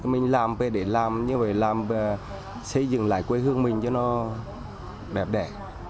mình làm về để làm nhưng phải làm xây dựng lại quê hương mình cho nó đẹp đẻ